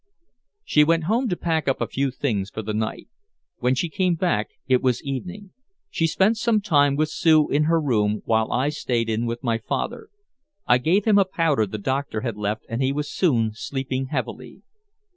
She went home to pack up a few things for the night. When she came back it was evening. She spent some time with Sue in her room, while I stayed in with father. I gave him a powder the doctor had left and he was soon sleeping heavily.